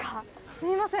すいません。